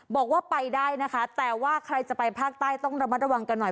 บอกว่าไปได้นะคะแต่ว่าใครจะไปภาคใต้ต้องระมัดระวังกันหน่อย